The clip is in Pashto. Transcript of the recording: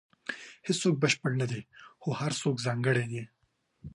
• هیڅوک بشپړ نه دی، خو هر څوک ځانګړی دی.